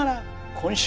今週。